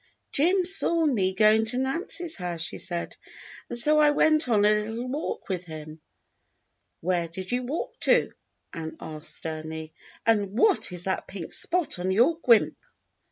"Jim saw me going to Nancy's house," she said, "and so I went on a little walk with him." "Where did you walk to.'^" Ann asked sternly, "and what is that pink spot on your guimpe.?"